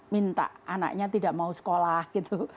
minta anaknya tidak mau sekolah gitu